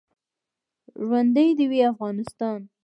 ژوندی دې وي افغانستان.